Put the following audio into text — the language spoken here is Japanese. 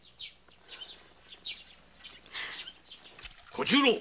小十郎！